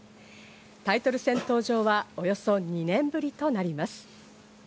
タイトル戦登場はおよそ２年ぶりとなります。